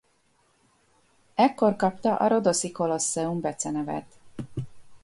Ekkor kapta a Rodoszi Colosseum becenevet.